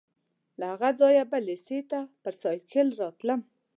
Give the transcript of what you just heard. له هغه ځایه به لېسې ته پر سایکل راتلم.